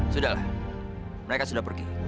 sudahlah mereka sudah pergi